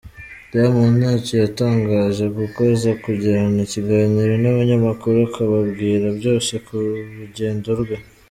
Diamond ntacyo yatangaje kuko aza kugirana ikiganiro n’abanyamakuru akababwira byose ku rugendo rwe.